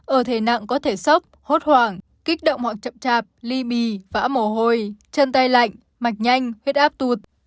ở thể nặng có thể sốc hốt hoảng kích động hoặc chậm chạp ly bì vã mồ hôi chân tay lạnh mạch nhanh huyết áp tụt